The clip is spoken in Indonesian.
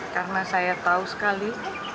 karena saya tahu sekali